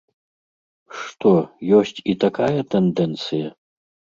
Што, ёсць і такая тэндэнцыя?